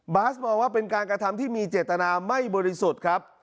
สมองว่าเป็นการกระทำที่มีเจตนาไม่บริสุทธิ์ครับ